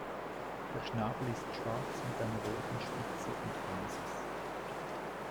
Der Schnabel ist schwarz mit einer roten Spitze und Basis.